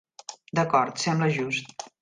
D'acord, sembla just.